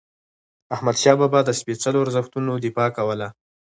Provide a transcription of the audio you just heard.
احمدشاه بابا د سپيڅلو ارزښتونو دفاع کوله.